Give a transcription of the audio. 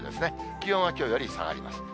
気温はきょうより下がります。